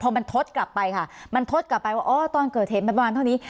พอมันทดกลับไปค่ะมันทดกลับไปว่าอ๋อตอนเกิดเหตุมันประมาณเท่านี้